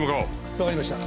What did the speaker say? わかりました。